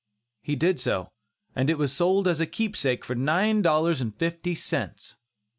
He did so, and it was sold as a keepsake for nine dollars and fifty cents!